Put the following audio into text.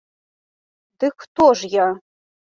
Дык хто ж я?